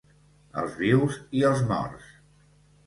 Els vius i els morts.